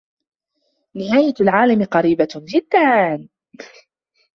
نهاية العالم قريبة جداً!